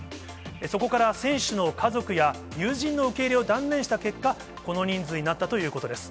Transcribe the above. そこから選手の家族や友人の受け入れを断念した結果、この人数になったということです。